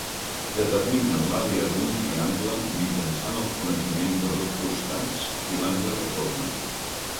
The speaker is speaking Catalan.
Determina l'àrea d'un triangle mitjançant el coneixement de dos costats i l'angle que formen.